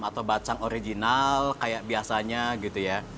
atau bacang original kayak biasanya gitu ya